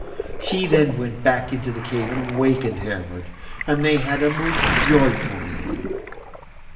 Then she went back into the cave and wakened Hermod, and they had a most joyful meeting.